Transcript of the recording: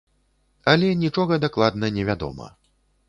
Але нічога дакладна не вядома.